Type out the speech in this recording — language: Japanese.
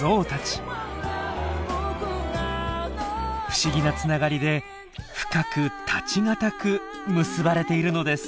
不思議なつながりで深く絶ち難く結ばれているのです。